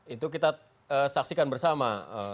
itu kita saksikan bersama